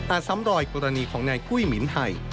ซ้ำรอยกรณีของนายกุ้ยหมินไทย